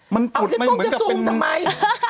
มันบุตรไม่เหมือนกับเป็นอ๋อพี่ต้มจะซุมทำไม